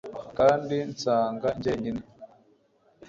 kandi nsanga njyenyine